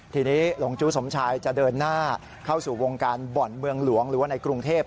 ทีนี้หลงจู้สมชายจะเดินหน้าเข้าสู่วงการบ่อนเมืองหลวงหรือว่าในกรุงเทพ